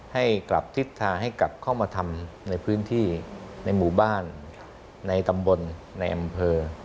ให้กลับทิศทางให้กลับเข้ามาทำในพื้นที่ในหมู่บ้านในตำบลในอำเภอ